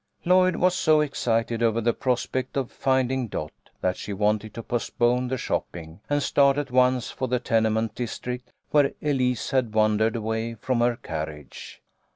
Lloyd was so excited over the prospect of finding Dot that she wanted to postpone the shopping, and start at once for the tenement district where Elise had wandered away from her carriage.